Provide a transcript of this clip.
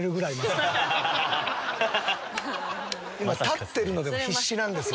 今立ってるのでも必死なんですよ